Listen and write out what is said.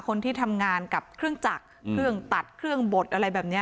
คนที่ทำงานกับเครื่องจักรเครื่องตัดเครื่องบดอะไรแบบนี้